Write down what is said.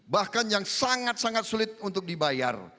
bahkan yang sangat sangat sulit untuk dibayar